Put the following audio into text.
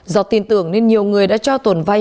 do tin tưởng nên nhiều người đã cho tồn vay